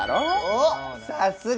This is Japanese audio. おっさすが！